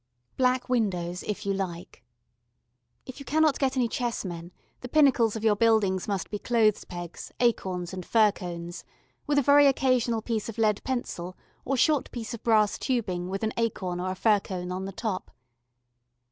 Black windows if you like. If you cannot get any chessmen the pinnacles of your buildings must be clothes pegs, acorns, and fir cones, with a very occasional piece of lead pencil or short piece of brass tubing with an acorn or a fir cone on the top.